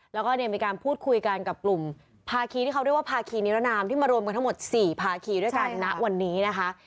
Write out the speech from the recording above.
แล้วก็เนี่ยมีการพูดคุยกันกับกลุ่มภาคีที่เขาเรียกว่าภาคีนิรนามที่มารวมกันทั้งหมด๔ภาคีด้วยกันณวันนี้นะคะ